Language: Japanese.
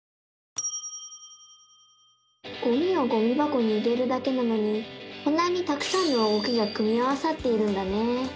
ゴミをゴミばこに入れるだけなのにこんなにたくさんの動きが組み合わさっているんだね！